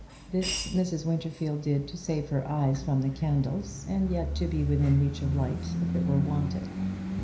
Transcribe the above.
This Mrs. Winterfield did to save her eyes from the candles, and yet to be within reach of light if it were wanted.